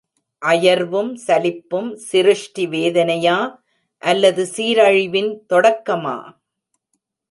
அயர்வும், சலிப்பும் சிருஷ்டி வேதனையா அல்லது சீரழிவின் தொடக்கமா?....